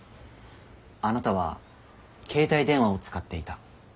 あなたは携帯電話を使っていた。